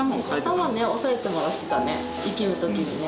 頭ね押さえてもらってたね息む時にね。